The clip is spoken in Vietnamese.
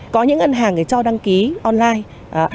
có những ngân hàng cho đăng ký online